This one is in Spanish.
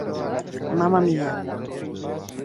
Mamma Mia!